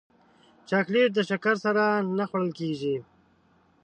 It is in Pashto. چاکلېټ د شکر سره نه خوړل کېږي.